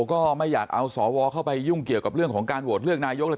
ก็ไม่อยากเอาสวเข้าไปยุ่งเกี่ยวกับเรื่องของการโหวตเลือกนายกเลย